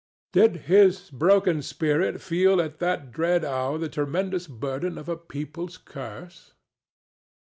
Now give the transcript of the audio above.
Did his broken spirit feel at that dread hour the tremendous burden of a people's curse?